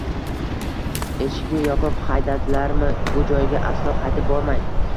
Eshikni yopib xaydadilarmi.? U joyga aslo qaytib bormang.